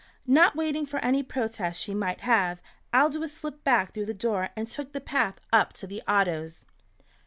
Not waiting for any protest she might have, Aldous slipped back through the door and took the path up to the Ottos'.